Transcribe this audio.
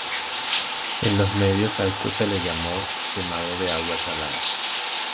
En los medios a esto se le llamó quemado de agua salada.